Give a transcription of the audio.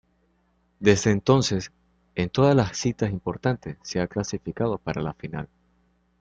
Desde entonces en todas las citas importantes se ha clasificado para la final.